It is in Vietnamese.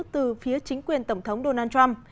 từ phía chính quyền tổng thống donald trump